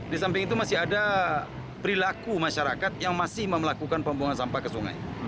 di samping itu masih ada perilaku masyarakat yang masih melakukan pembuangan sampah ke sungai